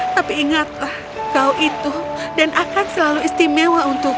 tapi ingatlah kau itu dan akan selalu istimewa untukmu